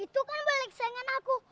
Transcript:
itu kan balik sayangin aku